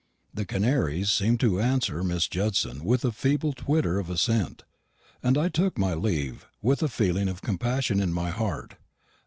The canaries seemed to answer Miss Judson with a feeble twitter of assent: and I took my leave, with a feeling of compassion in my heart.